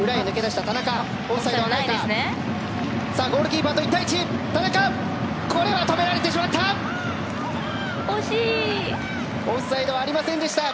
田中、止められてしまった。